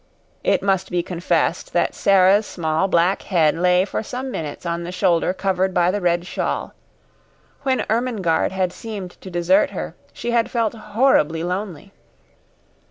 It must be confessed that Sara's small black head lay for some minutes on the shoulder covered by the red shawl. When Ermengarde had seemed to desert her, she had felt horribly lonely.